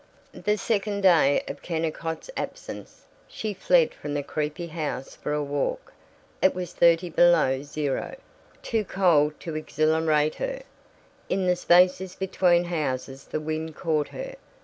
The second day of Kennicott's absence. She fled from the creepy house for a walk. It was thirty below zero; too cold to exhilarate her. In the spaces between houses the wind caught her.